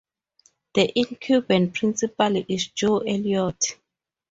The incumbent Principal is Joe Elliott.